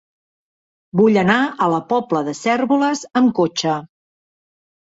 Vull anar a la Pobla de Cérvoles amb cotxe.